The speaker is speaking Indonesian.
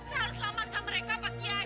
saya harus selamatkan mereka pak kiai